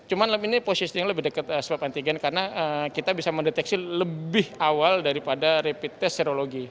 cuma ini posisinya lebih dekat swab antigen karena kita bisa mendeteksi lebih awal daripada rapid test serologi